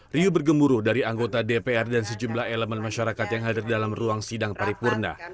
riu bergemuruh dari anggota dpr dan sejumlah elemen masyarakat yang hadir dalam ruang sidang paripurna